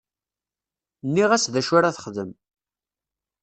Nniɣ-as d acu ara texdem.